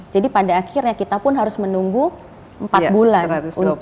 jadi pada akhirnya kita pun harus menunggu empat bulan